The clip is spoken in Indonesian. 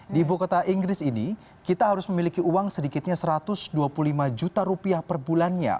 di ibu kota inggris ini kita harus memiliki uang sedikitnya satu ratus dua puluh lima juta rupiah per bulannya